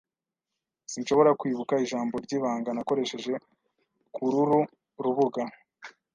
Sinshobora kwibuka ijambo ryibanga nakoresheje kururu rubuga.